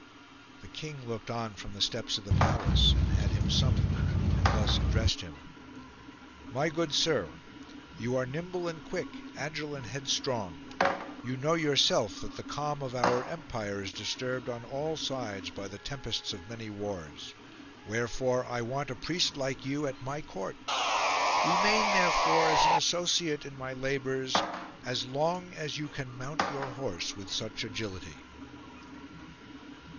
The king looked on from the steps of the palace and had him sum moned and thus addressed him :" My good sir, you are nimble and quick, agile and headstrong. You know yourself that the calm of our empire is dis turbed on all sides by the tempests of many wars. Wherefore I want a priest like you at my court. Remain therefore as an associate in my labours as long as you can mount your horse with such agility."